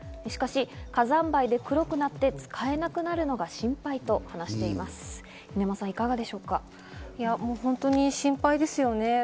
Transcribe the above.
しかし火山灰で黒くなって使えなくなるのが心配と話してい本当に心配ですよね。